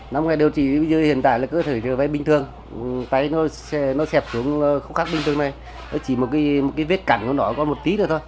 năm ngày điều trị hiện tại là cơ thể trở về bình thường tay nó xẹp xuống khúc khắc bình thường này